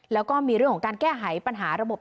แล้วก็มีเรื่องของการแก้ไขปัญหาระบบ